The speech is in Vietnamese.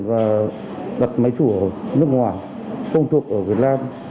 và đặt máy chủ ở nước ngoài không thuộc ở việt nam